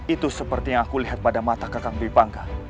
itu seperti yang aku lihat pada mata kakak bipangka